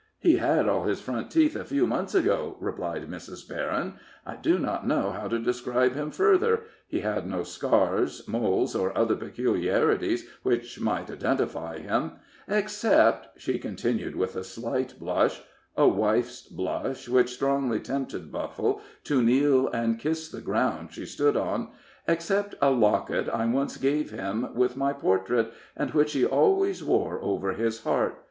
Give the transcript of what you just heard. "He had all his front teeth a few months ago," replied Mrs. Berryn. "I do not know how to describe him further he had no scars, moles, or other peculiarities which might identify him, except," she continued, with a faint blush a wife's blush, which strongly tempted Buffle to kneel and kiss the ground she stood on "except a locket I once gave him, with my portrait, and which he always wore over his heart.